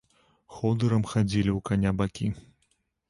Ходырам хадзілі ў каня бакі.